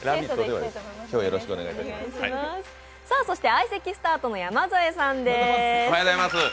相席スタートの山添さんです。